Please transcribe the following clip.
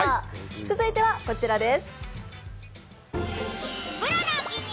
続いて、こちらです。